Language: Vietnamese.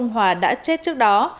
hòa đã chết trước đó